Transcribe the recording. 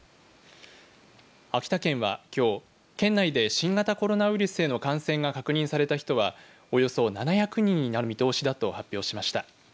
秋田県はきょう県内で新型コロナウイルスへの感染が確認された人はおよそ７００人になる見通しだと発表しました。